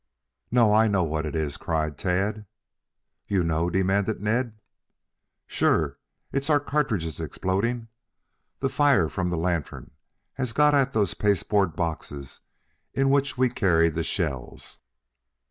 "No. I know what it is," cried Tad. "You know?" demanded Ned. "Sure. It's our cartridges exploding. The fire from the lantern has got at those pasteboard boxes in which we carried the shells."